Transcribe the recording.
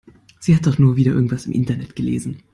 Sie hat doch nur wieder irgendwas im Internet gelesen.